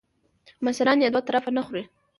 مشران یې دوه طرفه نه خوري .